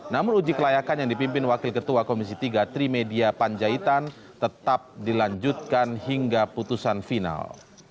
namun uji kelayakan yang dipimpin wakil ketua komisi tiga trimedia panjaitan tetap dilanjutkan hingga putusan final